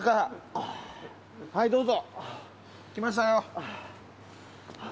はい、どうぞ。